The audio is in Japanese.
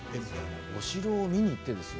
お城を見に行ってですよ